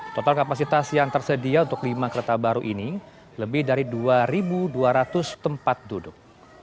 total kapasitas yang tersedia untuk lima kereta baru ini lebih dari dua dua ratus tempat duduk